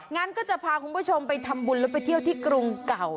งั้นก็จะพาคุณผู้ชมไปทำบุญแล้วไปเที่ยวที่กรุงเก่า